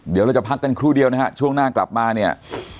เดี๋ยวเราจะพักกันครู่เดียวนะฮะช่วงหน้ากลับมาเนี่ย